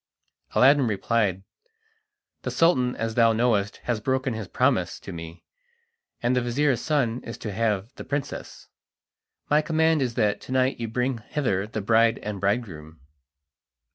Aladdin replied: "The Sultan, as thou knowest, has broken his promise to me, and the vizir's son is to have the princess. My command is that to night you bring hither the bride and bridegroom."